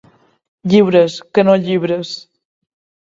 Lliures, que no llibres.